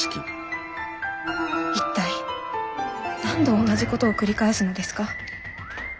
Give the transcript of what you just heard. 一体何度同じことを繰り返すのですか。